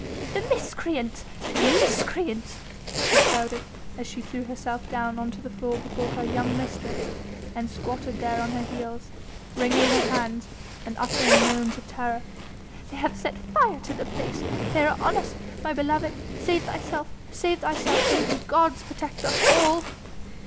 "The miscreants! the miscreants!" she shouted as she threw herself down on to the floor before her young mistress and squatted there on her heels, wringing her hands and uttering moans of terror. "They have set fire to the palace! They are on us, my beloved! Save thyself! Save thy house! Oh ye gods! protect us all!"